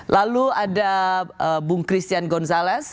lalu ada bung christian gonzalez